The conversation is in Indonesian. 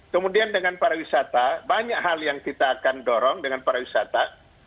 kemudian dengan para wisata banyak hal yang kita akan dorong dengan para wisata